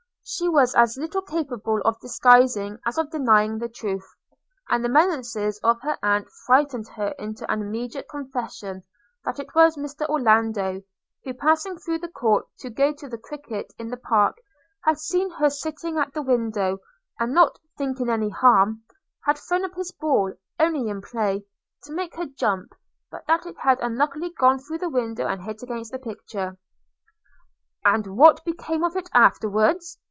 She was as little capable of disguising as of denying the truth; and the menaces of her aunt frightened her into an immediate confession, that it was Mr Orlando, who, passing through the court to go to cricket in the park, had seen her sitting at the window, and, 'not thinking any harm,' had thrown up his ball 'only in play,' to make her jump; but that it had unluckily gone through the window, and hit against the picture. 'And what became of it afterwards?'